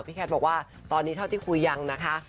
แคทบอกว่าตอนนี้เท่าที่คุยยังนะคะ